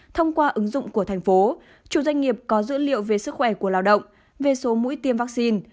thông qua ứng dụng của thành phố chủ doanh nghiệp có dữ liệu về sức khỏe của lao động về số mũi tiêm vaccine